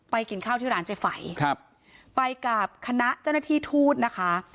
กินข้าวที่ร้านเจ๊ไฝครับไปกับคณะเจ้าหน้าที่ทูตนะคะ